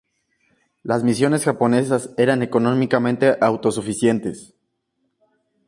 Las misiones japonesas eran económicamente autosuficientes.